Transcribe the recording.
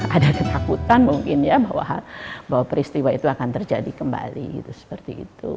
ada ketakutan mungkin ya bahwa peristiwa itu akan terjadi kembali gitu seperti itu